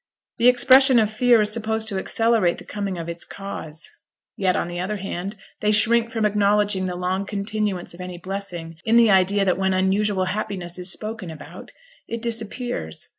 The expression of fear is supposed to accelerate the coming of its cause. Yet, on the other hand, they shrink from acknowledging the long continuance of any blessing, in the idea that when unusual happiness is spoken about, it disappears.